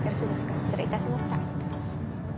失礼いたしました。